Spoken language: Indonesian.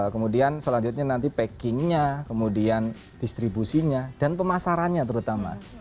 kemudian selanjutnya nanti packingnya kemudian distribusinya dan pemasarannya terutama